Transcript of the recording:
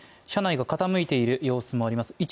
車内が傾いている様子もあります。